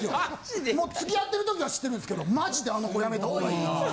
もう付き合ってる時から知ってるんですけどマジであの子やめた方がいいつって。